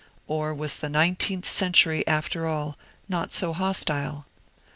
Or was the nineteenth century, after all, not so hostile?